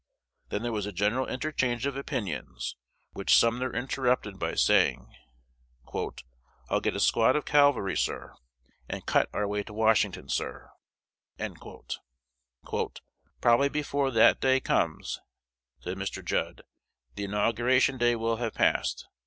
Then there was a general interchange of opinions, which Sumner interrupted by saying, "I'll get a squad of cavalry, sir, and cut our way to Washington, sir!" "Probably before that day comes," said Mr. Judd, "the inauguration day will have passed.